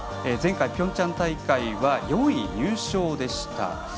前回ピョンチャン大会は４位入賞でした。